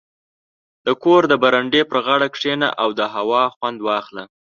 • د کور د برنډې پر غاړه کښېنه او د هوا خوند واخله.